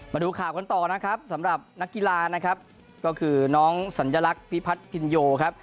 มาดูข่าวกันต่อนะครับสำหรับนักกีฬานะครับก็คือน้องสัญลักษณ์พิพัฒน์พินโยครับ